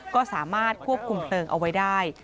ก็สามารถควบคุมเพลิงเอาไว้ได้